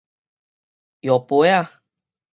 搖杯仔